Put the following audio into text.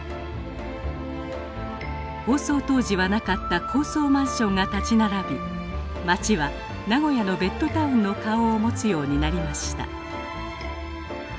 放送当時はなかった高層マンションが立ち並び町は名古屋のベッドタウンの顔を持つようになりました。